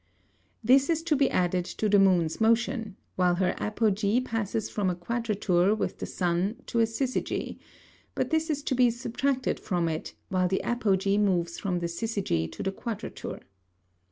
This is to be added to the Moon's Motion, while her Apogee passes from a Quadrature with the Sun to a Syzygy; but this is to be subtracted from it, while the Apogee moves from the Syzygy to the Quadrature.